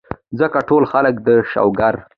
ځکه ټول خلک د شوګر ،